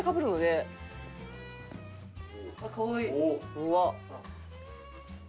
うわっ！